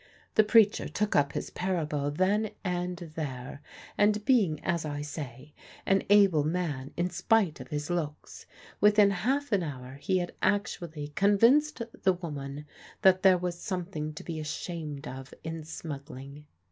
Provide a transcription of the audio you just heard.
The preacher took up his parable then and there; and being, as I say, an able man in spite of his looks, within half an hour he had actually convinced the woman that there was something to be ashamed of in smuggling.